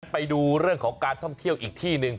ไปดูเรื่องของการท่องเที่ยวอีกที่หนึ่ง